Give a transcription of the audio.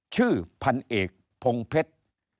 ชื่อพันเอกพงเพชร